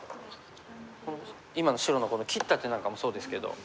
今の白のこの切った手なんかもそうですけど。